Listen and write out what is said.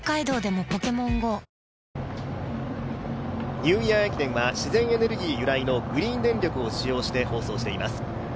ニューイヤー駅伝は自然エネルギー由来のグリーン電力を使用して放送しています。